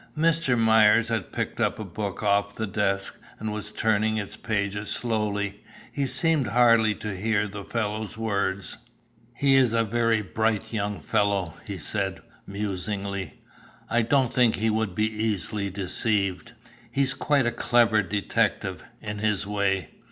Mr. Myers had picked up a book off the desk, and was turning its pages slowly. He seemed hardly to hear the fellow's words. "He's a very bright young fellow," he said, musingly. "I don't think he would be easily deceived. He's quite a clever detective, in his way."